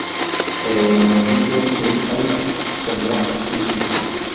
Pero la noticia es que Saif tendrá justicia.